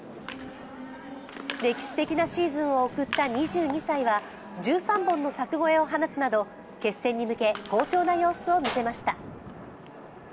歴史的なシーズンを送った２２歳は１３本の柵越えを放つなど決戦に向け好調な様子を見せました。